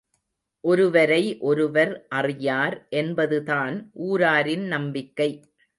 ஒருவரை ஒருவர் அறியார் என்பது தான் ஊராரின் நம்பிக்கை.